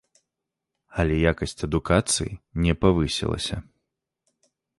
Але якасць адукацыі не павысілася.